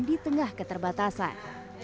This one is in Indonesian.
di tengah keterbatasan